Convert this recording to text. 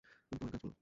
তুমি তোমার কাজ বলো?